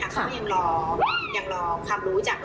ก็ยังรอความรู้จากคุณ